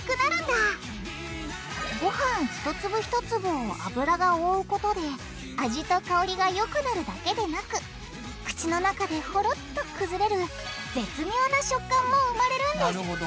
ごはん一粒一粒を油が覆うことで味と香りがよくなるだけでなく口の中でホロッと崩れる絶妙な食感も生まれるんですなるほど。